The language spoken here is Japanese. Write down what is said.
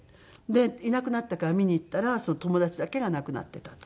でいなくなったから見に行ったら友達だけが亡くなっていたと。